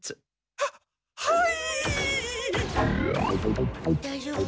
はっはい！